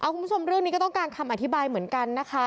คุณผู้ชมเรื่องนี้ก็ต้องการคำอธิบายเหมือนกันนะคะ